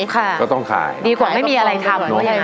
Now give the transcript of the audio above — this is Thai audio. ค่ะก็ต้องขายดีกว่าไม่มีอะไรทำยังไง